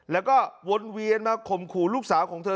แล้วก็วนเวียนมาข่มขู่ลูกสาวของเธอ